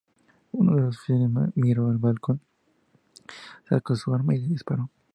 Uno de los oficiales miró al balcón, sacó su arma y le disparó.